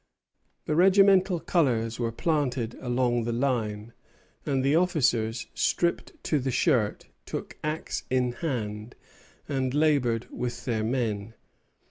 The regimental colors were planted along the line, and the officers, stripped to the shirt, took axe in hand and labored with their men.